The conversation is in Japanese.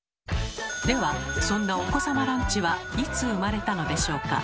ではそんなお子様ランチはいつ生まれたのでしょうか？